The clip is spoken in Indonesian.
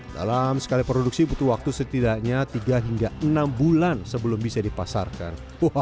dalam sekali produksi butuh waktu setidaknya tiga hingga enam bulan sebelum bisa dipasarkan